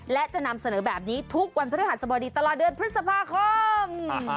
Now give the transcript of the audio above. และจะนำเสนอแบบนี้ทุกวันพฤหัสบดีตลอดเดือนพฤษภาคม